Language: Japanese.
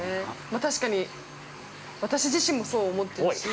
◆ま、確かに、私自身もそう思ってるし。